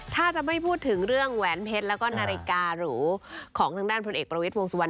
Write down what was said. ถ้าจะไม่พูดถึงเรื่องแหวนเพชรแล้วก็นาฬิการูของทางด้านพลเอกประวิทย์วงสุวรร